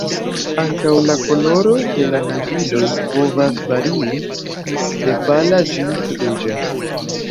Ankaŭ la koloro de la naĝiloj povas varii, de pala ĝis ruĝa.